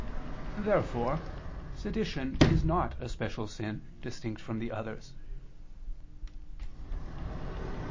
Therefore sedition is not a special sin, distinct from other sins.